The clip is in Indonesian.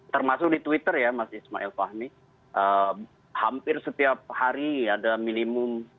termasuk di twitter ya mas ismail fahmi hampir setiap hari ada minimum